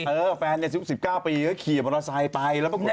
เออแฟน๑๙ปีเอ้ยขี่มอเทศไทยไปแล้วปรากฏว่า